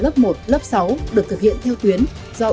lớp một lớp sáu được thực hiện theo tuyến do